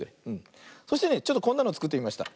そしてねちょっとこんなのつくってみました。